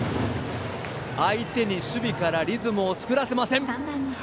相手に守備からリズムを作らせません。